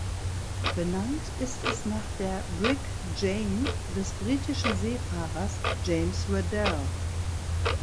Benannt ist es nach der Brigg "Jane" des britischen Seefahrers James Weddell.